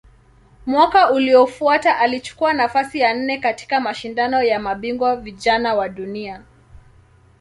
Mwaka uliofuata alichukua nafasi ya nne katika Mashindano ya Mabingwa Vijana wa Dunia.